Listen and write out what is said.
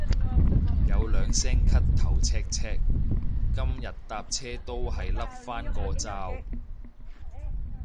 有兩聲咳頭赤赤，今日搭車都係笠返個罩